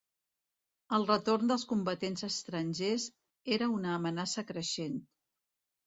El retorn dels combatents estrangers era una amenaça creixent.